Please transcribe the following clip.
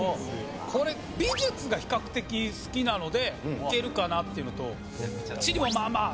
これ美術が比較的好きなのでいけるかなっていうのと地理もまあまあ。